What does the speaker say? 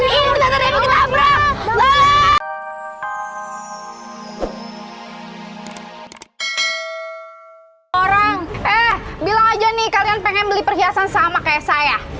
orang eh bilang aja nih kalian pengen beli perhiasan sama kayak saya